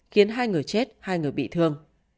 khiến hai người chết hai người bị thương